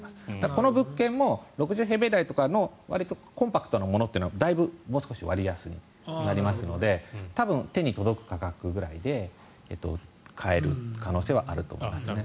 この物件も６０平米台とかわりとコンパクトなものは割安になりますので多分手に届く価格くらいで買える可能性はあると思いますね。